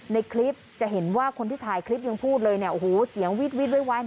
ในคลิปจะเห็นว่าคนที่ถ่ายคลิปยังพูดเลยเนี่ยโอ้โหเสียงวิดไว